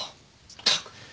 ったく。